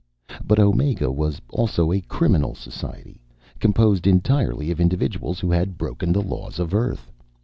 But Omega was also a criminal society, composed entirely of individuals who had broken the laws of Earth.